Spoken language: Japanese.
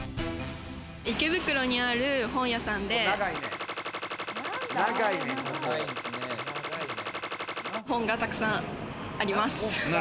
池袋にある本屋さんで、本が沢山あります。